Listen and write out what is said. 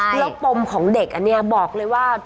แล้วปมของเด็กอันนี้บอกเลยว่า